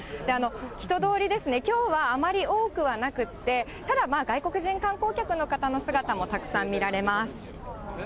人通りですね、きょうはあまり多くはなくって、ただまあ、外国人観光客の方の姿もたくさん見られます。